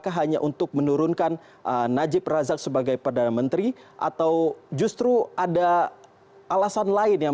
apakah hanya untuk menurunkan najib razak sebagai perdana menteri atau justru ada alasan lain yang